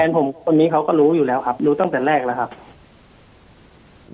ผมคนนี้เขาก็รู้อยู่แล้วครับรู้ตั้งแต่แรกแล้วครับ